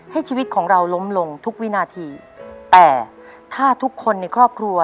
ชีวิตของเราล้มลงทุกวินาทีแต่ถ้าทุกคนในครอบครัว